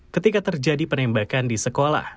ketika terjadi penembakan di sekolah